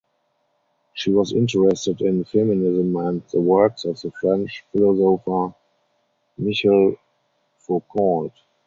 She was interested in feminism and the works of the French philosopher Michel Foucault.